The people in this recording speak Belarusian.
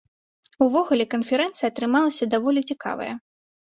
Увогуле, канферэнцыя атрымалася даволі цікавая.